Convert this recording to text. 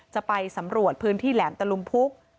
จะไปสำรวจพื้นที่แหลมตะลุมพุก